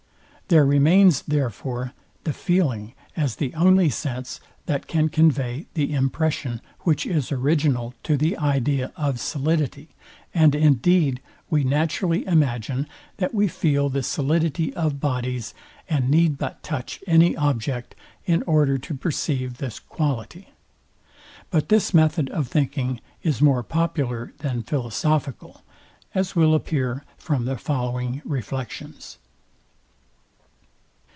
There remains, therefore, the feeling as the only sense, that can convey the impression, which is original to the idea of solidity; and indeed we naturally imagine, that we feel the solidity of bodies, and need but touch any object in order to perceive this quality. But this method of thinking is more popular than philosophical; as will appear from the following reflections.